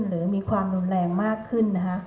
หรือมีความรุนแรงมากขึ้น